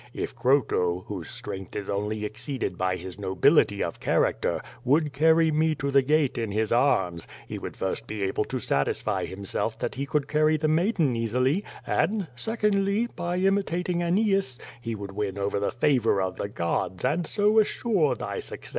If Croto, whose strength is only exceeded by his nobility of character, would carry me to the gate in his arms, he would first be able to satisfy himself that he could carry the maiden easily, and, secondly, by imitating Aeneas, he would win over the favor of the gods and so assure thy suc ces.